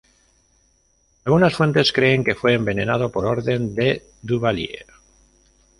Algunas fuentes creen que fue envenenado por orden de Duvalier.